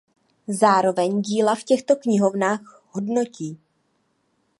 Zároveň díla v těchto knihovnách hodnotí.